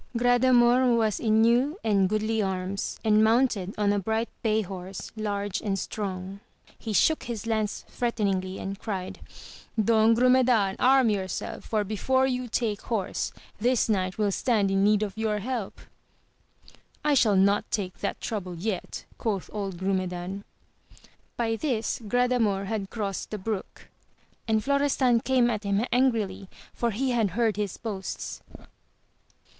Gradamor was in new and goodly arms, and mounted on a bright bay horse large and strong; he shook his lance threateningly, and cried, Don Grumedan arm your self, for before you take horse this knight will stand in need of your help ! I shall not take that trouble yet, quoth old Grumedan. By this Gradamor had crossed the brook, and Florestan came at him angrily, for he had heard his boasts.